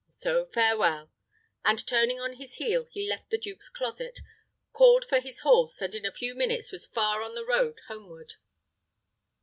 So, farewell!" and turning on his heel, he left the duke's closet, called for his horse, and in a few minutes was far on the road homeward.